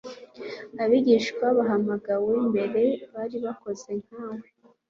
Abigishwa bahamagawe mbere, bari bakoze nka we.